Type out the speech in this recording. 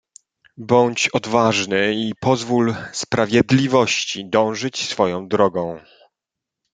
"Bądź odważny i pozwól sprawiedliwości dążyć swoją drogą."